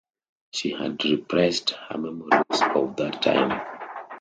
She had repressed her memories of that time.